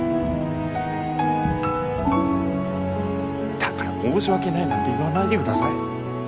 だから申し訳ないなんて言わないでください。